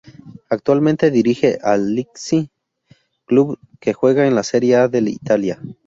Actualmente dirige al Lecce, club que juega en la Serie A de Italia.